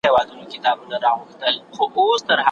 نو له غیبت څخه توبه وباسئ.